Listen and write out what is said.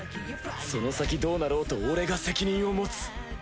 その先どうなろうと俺が責任を持つ！